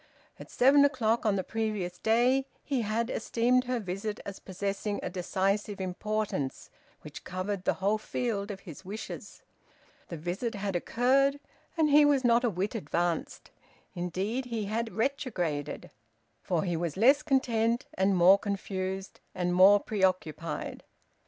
At seven o'clock on the previous day, he had esteemed her visit as possessing a decisive importance which covered the whole field of his wishes. The visit had occurred, and he was not a whit advanced; indeed he had retrograded, for he was less content and more confused, and more preoccupied.